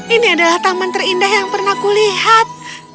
ini adalah taman terindah yang pernah kulihat